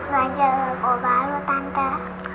belajar oba lu tante